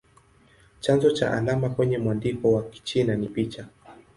Chanzo cha alama kwenye mwandiko wa Kichina ni picha.